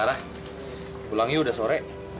lara pulang yuk udah sore